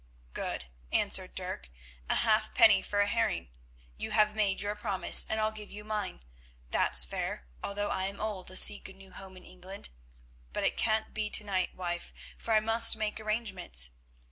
"Good," answered Dirk, "a halfpenny for a herring; you have made your promise, and I'll give you mine; that's fair, although I am old to seek a new home in England. But it can't be to night, wife, for I must make arrangements.